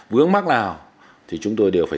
vướng mắt nào thì chúng tôi đều phải